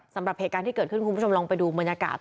สำหรับเหตุการณ์ที่เกิดขึ้นคุณผู้ชมลองไปดูบรรยากาศ